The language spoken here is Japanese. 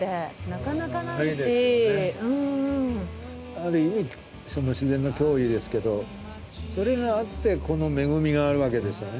ある意味自然の脅威ですけどそれがあってこの恵みがあるわけですからね。